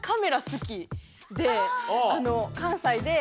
関西で。